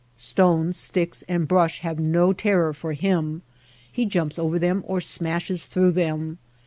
Stones, sticks, and brush have no terror for him. He jumps over them or smashes through them.